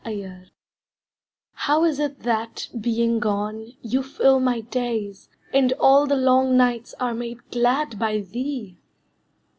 Mirage How is it that, being gone, you fill my days, And all the long nights are made glad by thee?